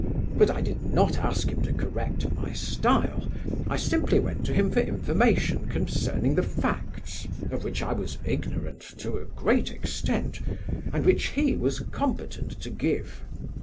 But I did not ask him to correct my style; I simply went to him for information concerning the facts, of which I was ignorant to a great extent, and which he was competent to give.